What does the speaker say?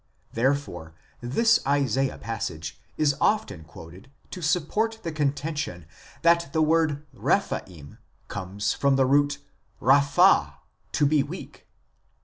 Therefore this Isaiah passage is often quoted to support the contention that the word Rephaim comes from the root nan (raphah), " to be weak."